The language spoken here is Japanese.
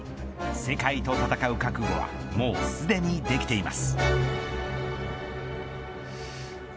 世界と戦う覚悟はもうすでにできています。